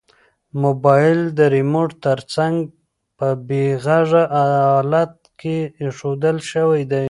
موبایل د ریموټ تر څنګ په بې غږه حالت کې ایښودل شوی دی.